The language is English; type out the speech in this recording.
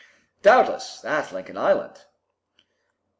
"Doubtless, at Lincoln Island."